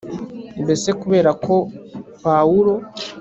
mbese kubera ko pawulo